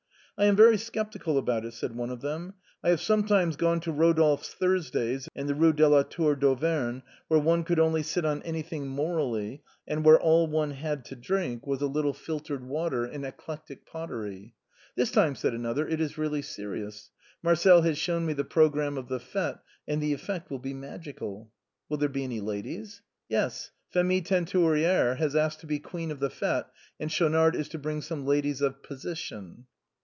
" I am very skeptical about it," said one of them. " I have sometimes gone to Eodolphe's Thursdays in the Eue de la Tour d'Auvergne, when one could only sit on any thing morally, and where all one had to drink was a little filtered water in eclectic pottery." " This time," said another, " it is really serious. Marcel has shown me the programme of the fête, and the effect will be magical.' "Will there be any ladies?" " Yes. Phémie Teinturière has asked to be queen of the fête, and Schaunard is to bring some ladies of position."